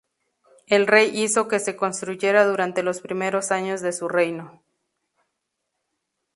El rey hizo que se construyera durante los primeros años de su reino.